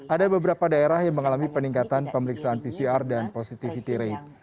ada beberapa daerah yang mengalami peningkatan pemeriksaan pcr dan positivity rate